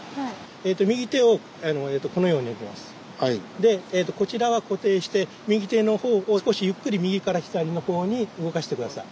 でこちらは固定して右手のほうを少しゆっくり右から左のほうに動かして下さい。